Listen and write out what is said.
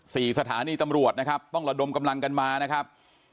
สถานีตำรวจนะครับต้องระดมกำลังกันมานะครับ